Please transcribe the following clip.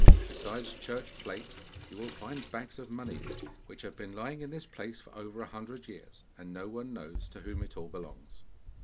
Besides church plate, you will find bags of money, which have been lying in this place for over a hundred years, and no one knows to whom it all belongs.